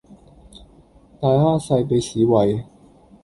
大蝦細俾屎餵